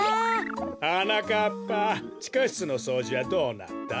はなかっぱちかしつのそうじはどうなった？